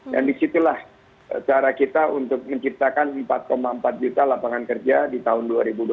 dan disitulah cara kita untuk menciptakan empat empat juta lapangan kerja di tahun dua ribu dua puluh empat